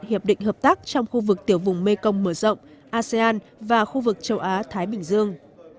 hiệp định hợp tác trong khu vực tiểu vùng mekong mở rộng asean và khu vực châu á thái bình dương